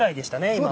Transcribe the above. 今。